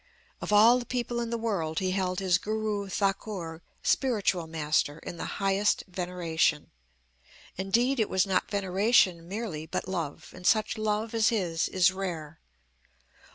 "Of all the people in the world he held his Guru Thakur (spiritual master) in the highest veneration. Indeed it was not veneration merely but love; and such love as his is rare.